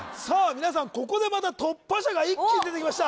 皆さんここでまた突破者が一気に出てきました